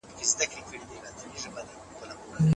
خیالي نړۍ انسان له حقیقته لیري کوي.